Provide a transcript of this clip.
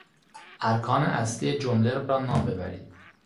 ارکان اصلی جمله را نام ببرید.